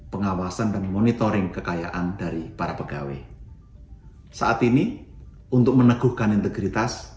pengawasan dan monitoring kekayaan dari para pegawai saat ini untuk meneguhkan integritas